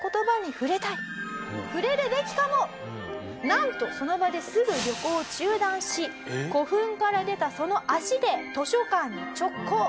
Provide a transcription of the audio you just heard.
なんとその場ですぐ旅行を中断し古墳から出たその足で図書館に直行。